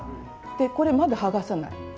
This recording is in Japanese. これまだ剥がさない。